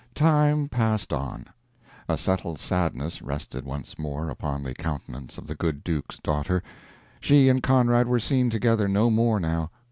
Time passed on. A settled sadness rested once more upon the countenance of the good Duke's daughter. She and Conrad were seen together no more now.